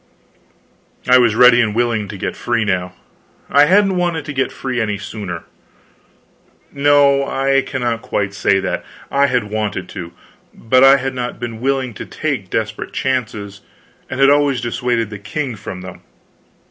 I was ready and willing to get free now; I hadn't wanted to get free any sooner. No, I cannot quite say that. I had wanted to, but I had not been willing to take desperate chances, and had always dissuaded the king from them.